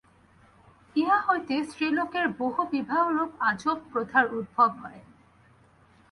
ইহা হইতে স্ত্রীলোকের বহুবিবাহরূপ আজব প্রথার উদ্ভব হয়।